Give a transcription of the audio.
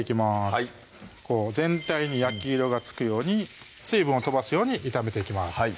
はい全体に焼き色がつくように水分を飛ばすように炒めていきます